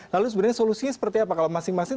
lalu sebenarnya solusinya seperti apa kalau masing masing